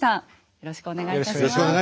よろしくお願いします。